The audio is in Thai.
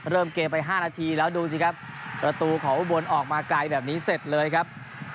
เริ่มเกมไป๕นาทีแล้วดูสิครับประตูของอุบลออกมาไกลแบบนี้เสร็จเลยครับ